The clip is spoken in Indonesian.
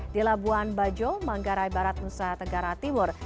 di labuan bajo manggarai barat nusa tenggara timur